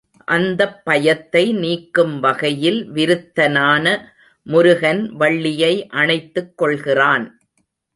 அந்தப் பயத்தை நீக்கும் வகையில், விருத்தனான முருகன் வள்ளியை அணைத்துக் கொள்கிறான்.